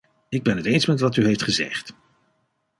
Ik ben het eens met wat u heeft gezegd.